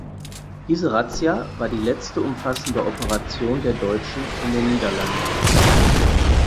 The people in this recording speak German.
Diese Razzia war die letzte umfassende Operation der Deutschen in den Niederlanden.